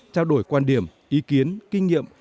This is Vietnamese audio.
tạo ra nguyên điểm ý kiến kinh nghiệm